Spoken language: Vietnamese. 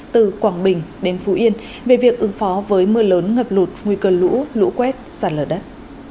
từ quảng bình đến phú yên về việc ứng phó với mưa lớn ngập lụt nguy cơ lũ lũ quét sạt lở đất